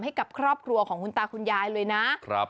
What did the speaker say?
ให้กับครอบครัวของคุณตาคุณยายเลยนะ